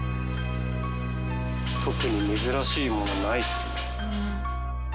特に珍しいものないっすね。